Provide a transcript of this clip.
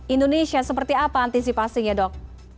indonesia seperti apa antisipasinya dok